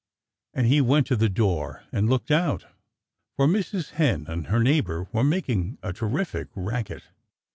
And then he went to the door and looked out, for Mrs. Hen and her neighbor were making a terrific racket.